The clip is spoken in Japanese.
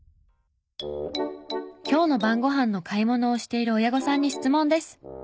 今日の晩ご飯の買い物をしている親御さんに質問です！